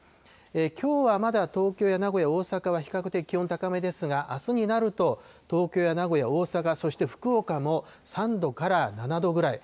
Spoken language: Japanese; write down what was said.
きょうはまだ東京や名古屋、大阪は比較的気温高めですが、あすになると、東京や名古屋、大阪、そして福岡も３度から７度ぐらい。